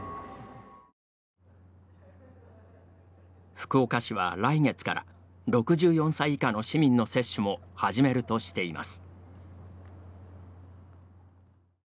福岡市は、来月から６４歳以下の市民の接種も始めるとしています。